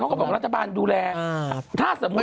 ลูกน้องหนูโดนกักตัวอยู่